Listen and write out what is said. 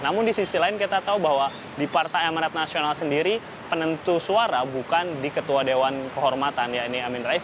namun di sisi lain kita tahu bahwa di partai amarat nasional sendiri penentu suara bukan di ketua dewan kehormatan ya ini amin rais